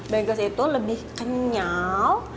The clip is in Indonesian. bagel itu lebih kenyal